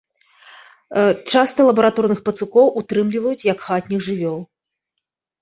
Часта лабараторных пацукоў утрымліваюць як хатніх жывёл.